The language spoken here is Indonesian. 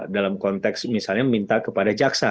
dalam konteks misalnya meminta kepada jaksa